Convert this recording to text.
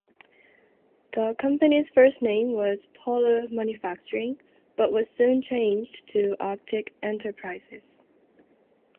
The company's first name was Polar Manufacturing but was soon changed to Arctic Enterprises.